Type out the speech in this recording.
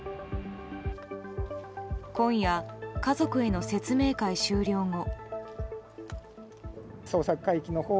今夜、家族への説明会終了後。